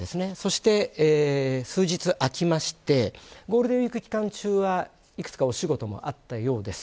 そして数日、空きましてゴールデンウイーク期間中はいくつかお仕事もあったようです。